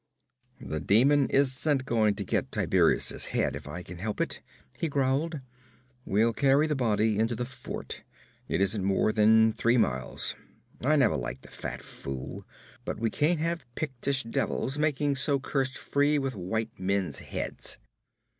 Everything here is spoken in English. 'The demon isn't going to get Tiberias' head if I can help it,' he growled. 'We'll carry the body into the fort. It isn't more than three miles. I never liked the fat fool, but we can't have Pictish devils making so cursed free with white men's heads.'